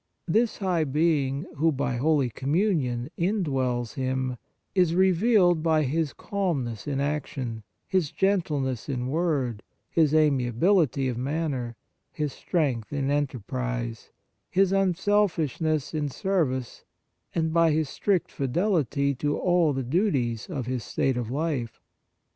This High Being who, by Holy Communion, in dwells him, is revealed by his calm ness in action, his gentleness in word, his amiability of manner, his strength in enterprise, his unselfishness in service, and by his strict fidelity to all the duties of his state of life.